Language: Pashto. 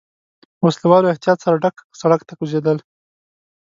وسله والو احتياط سره سړک ته کوزېدل.